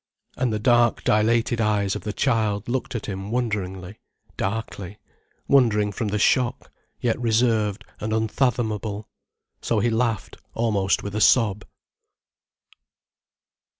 And the dark dilated eyes of the child looked at him wonderingly, darkly, wondering from the shock, yet reserved and unfathomable, so he laughed almost with a sob.